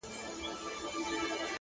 صادق چلند ریښتینې ملګرتیا زېږوي.!